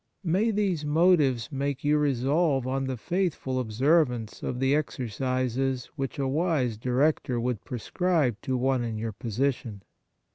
May these motives make you re solve on the faithful observance of the exercises which a wise director would prescribe to one in your posi tion